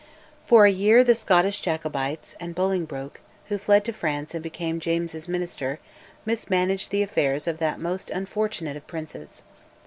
For a year the Scottish Jacobites, and Bolingbroke, who fled to France and became James's Minister, mismanaged the affairs of that most unfortunate of princes.